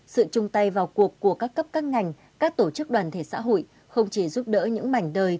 sự chung tay vào cuộc của các cấp các ngành các tổ chức đoàn thể xã hội không chỉ giúp đỡ những mảnh đời